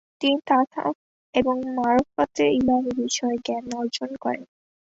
তিনি তাসাউফ এবং মারেফাত এ ইলাহি বিষয়ে জ্ঞান অর্জন করেন।